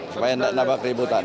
supaya nggak nambah keributan